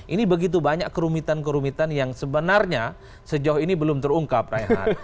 ini begitu banyak kerumitan kerumitan yang sebenarnya sejauh ini belum terungkap reinhardt